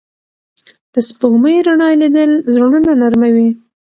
د سپوږمۍ رڼا لیدل زړونه نرموي